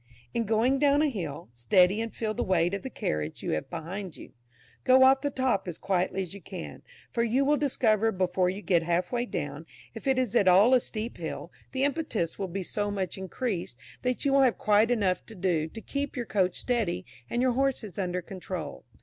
In going down a hill, steady and feel the weight of the carriage you have behind you; go off the top as quietly as you can, for you will discover before you get half way down, if it is at all a steep hill, the impetus will be so much increased, that you will have quite enough to do, to keep your coach steady and your horses under control.